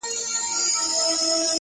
دې لېوني ماحول کي ووايه؛ پر چا مئين يم.